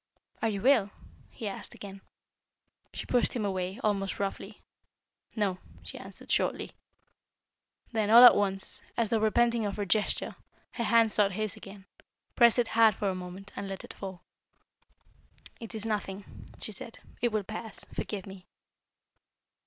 "Are you ill?" he asked again. She pushed him away, almost roughly. "No," she answered shortly. Then, all at once, as though repenting of her gesture, her hand sought his again, pressed it hard for a moment, and let it fall. "It is nothing," she said. "It will pass. Forgive me."